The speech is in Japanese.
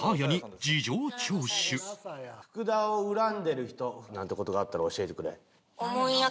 福田を恨んでる人なんて事があったら教えてくれ。